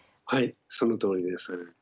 はいそのとおりです。